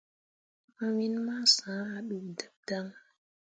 Mawin ma sã ah ɗuudeb dan.